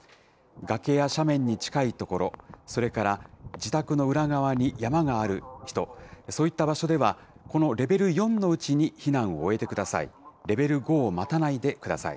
崖や斜面に近い所、それから、自宅の裏側に山がある人、そういった場所では、このレベル４のうちに避難を終えてください。